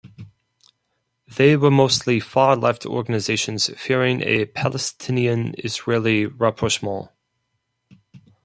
They were mostly far-left organizations fearing a Palestinian-Israeli rapprochement.